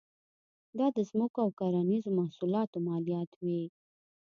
دا د ځمکو او کرنیزو محصولاتو مالیات وې.